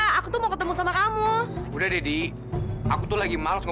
sampai jumpa di video selanjutnya